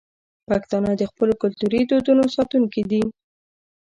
پښتانه د خپلو کلتوري دودونو ساتونکي دي.